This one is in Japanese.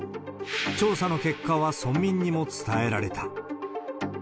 調査の結果は村民にも伝えられた。